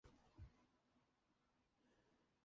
四川的多山地区损失最严重。